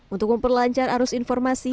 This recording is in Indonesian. untuk memperlancar arus informasi